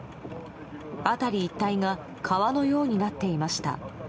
辺り一帯が川のようになっていました。